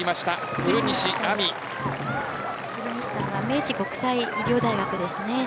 古西さんは明治国際医療大学ですね。